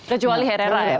kecuali herrera ya